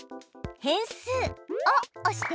「変数」をおして！